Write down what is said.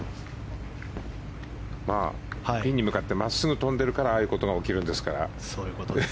ピンに向かって真っすぐ飛んでいるからああいうことが起きるんですから。